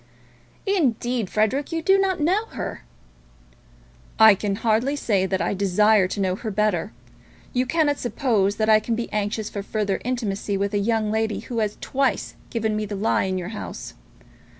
"Indeed, Frederic, you do not know her." "I can hardly say that I desire to know her better. You cannot suppose that I can be anxious for further intimacy with a young lady who has twice given me the lie in your house.